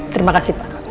terima kasih pak